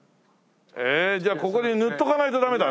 ええじゃあここに塗っとかないとダメだね？